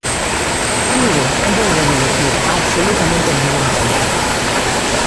Mire, vólvolle dicir: absolutamente ningunha compra.